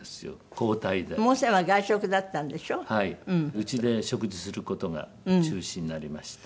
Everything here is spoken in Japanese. うちで食事する事が中心になりました。